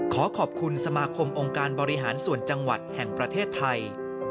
ขอขอบคุณสมาคมองค์การบริหารส่วนจังหวัดแห่งประเทศไทย